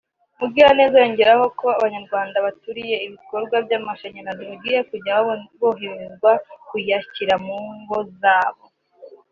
Mugiraneza yongeraho ko Abanyarwanda baturiye ibikorwa by’amashnarazi bagiye kujya boroherezwa kuyashyira mu ngo zabo